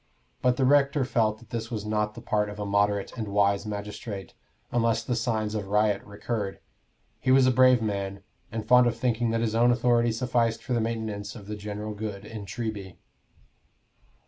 But the rector felt that this was not the part of a moderate and wise magistrate, unless the signs of riot recurred. He was a brave man, and fond of thinking that his own authority sufficed for the maintenance of the general good in Treby.